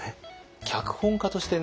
脚本家としてね